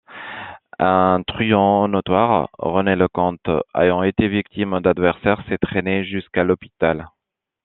Un truand notoire, René Lecomte, ayant été victime d'adversaires, s'est traîné jusqu'à l'hôpital.